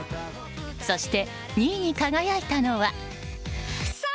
そして、２位に輝いたのは。